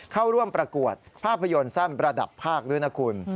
เข้าร่วมประกวดภาพยนตร์สั้นระดับภาคด้วยนะคุณ